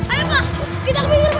ayo pak kita ke bengkel